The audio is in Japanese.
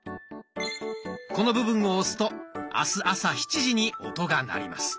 この部分を押すと明日朝７時に音が鳴ります。